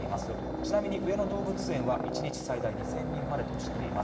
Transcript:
ちなみに上野動物園は１日最大２０００人までとしています。